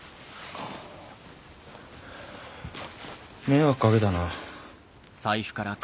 迷惑かけたな。